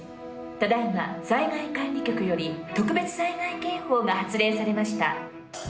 ただいま、災害管理局より、特別災害警報が発令されました。